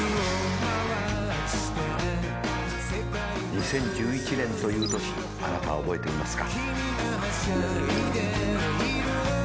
２０１１年という年あなたは覚えていますか？